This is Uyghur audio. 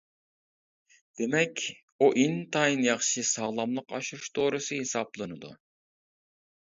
دېمەك، ئۇ ئىنتايىن ياخشى ساغلاملىق ئاشۇرۇش دورىسى ھېسابلىنىدۇ.